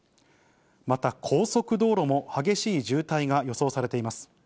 また、高速道路も激しい渋滞が予想されています。